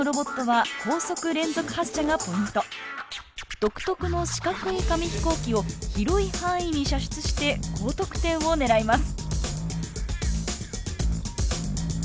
独特の四角い紙飛行機を広い範囲に射出して高得点を狙います。